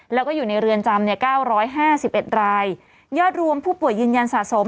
แล้วก็อยู่ในเรือนจำเนี่ยเก้าร้อยห้าสิบเอ็ดรายยอดรวมผู้ป่วยยืนยันสะสม